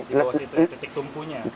di bawah situ titik tumpunya